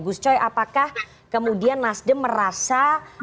gus coy apakah kemudian nasdem merasa